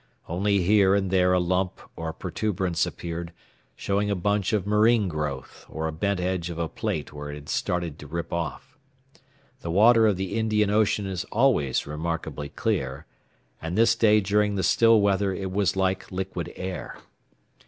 Only here and there a lump or protuberance appeared, showing a bunch of marine growth, or a bent edge of a plate where it had started to rip off. The water of the Indian Ocean is always remarkably clear, and this day during the still weather it was like liquid air.